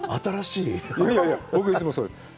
いやいや、僕、いつもそうです。